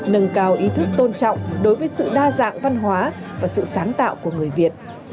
nâng cao ý thức tôn trọng đối với sự đa dạng văn hóa và sự sáng tạo của người việt